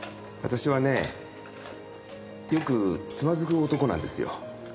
私はねよくつまずく男なんですよ。